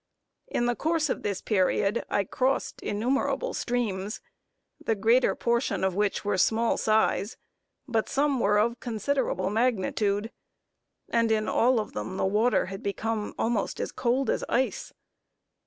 In the course of this period I crossed innumerable streams, the greater portion of which were of small size, but some were of considerable magnitude; and in all of them the water had become almost as cold as ice.